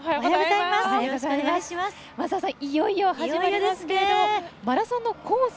いよいよ始まりますけどマラソンのコース